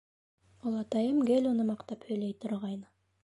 Олатайым гел уны маҡтап һөйләй торғайны.